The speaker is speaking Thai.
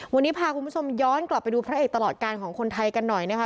วันนี้พาคุณผู้ชมย้อนกลับไปดูพระเอกตลอดการของคนไทยกันหน่อยนะคะ